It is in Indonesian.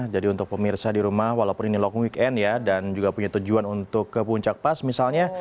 jadi untuk pemirsa di rumah walaupun ini lock weekend ya dan juga punya tujuan untuk ke puncak pas misalnya